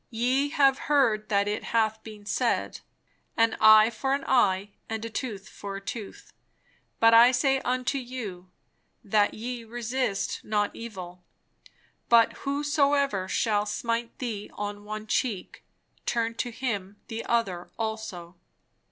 "Ye have heard that it hath been said, An eye for an eye, and a tooth for a tooth: but I say unto you, That ye resist not evil: but whosoever shall smite thee on the one cheek, turn to him the other also.